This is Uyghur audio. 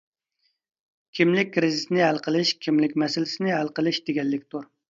كىملىك كىرىزىسىنى ھەل قىلىش كىملىك مەسىلىسىنى ھەل قىلىش دېگەنلىكتۇر.